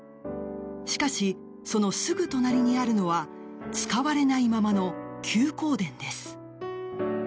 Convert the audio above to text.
しかし、そのすぐ隣にあるのは使われないままの休耕田です。